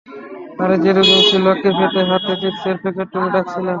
আরে যে দুজন ছিলো ক্যাফেতে, হাতে চিপসের প্যাকেট, তুমি ডাকছিলা?